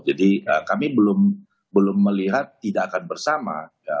jadi kami belum melihat tidak akan bersama